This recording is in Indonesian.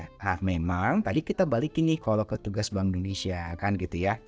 nah memang tadi kita balikin nih kalau ke tugas bank indonesia kan gitu ya